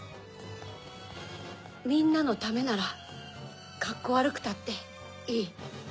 みんなのためならカッコわるくたっていい